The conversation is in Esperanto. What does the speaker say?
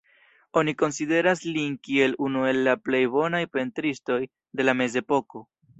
Oni konsideras lin kiel unu el la plej bonaj pentristoj de la mezepoko.